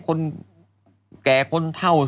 คนแก่คนเท่า